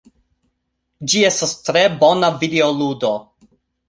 Ĝi estas tre bona videoludo.